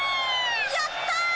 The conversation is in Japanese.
やった！